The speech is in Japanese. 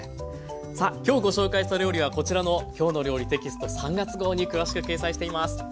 さあ今日ご紹介した料理はこちらの「きょうの料理」テキスト３月号に詳しく掲載しています。